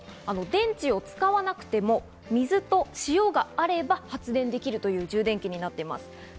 電池を使わなくても、水と塩があれば発電できるという充電器になっています。